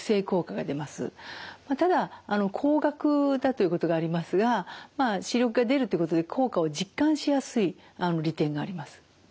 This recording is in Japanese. ただ高額だということがありますがまあ視力が出るということで効果を実感しやすい利点があります。